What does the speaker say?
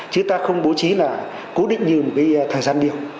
chứ ta không bố trí là cố định như một cái thời gian điêu